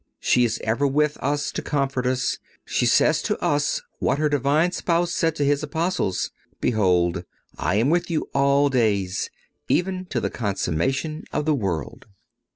She is ever with us to comfort us. She says to us what her Divine Spouse said to His Apostles: "Behold, I am with you all days, even to the consummation of the world."